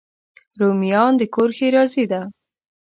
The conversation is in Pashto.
رومیان د کور ښېرازي ده